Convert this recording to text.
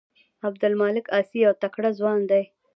عبدالمالک عاصي یو تکړه ځوان دی.